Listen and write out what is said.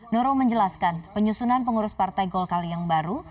nurul menjelaskan penyusunan pengurus partai golkar yang baru